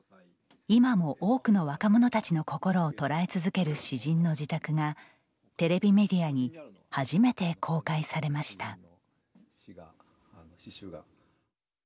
今も多くの若者たちの心を捉え続ける詩人の自宅がテレビメディアに初めて公開されました。